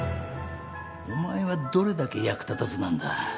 お前はどれだけ役立たずなんだ。